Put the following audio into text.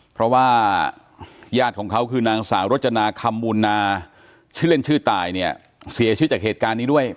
เพราะว่าญาติของเขาคือนางสาวรจนาคำมูลนาชื่อเล่นชื่อตายเนี่ยเสียชีวิตจากเหตุการณ์นี้ด้วย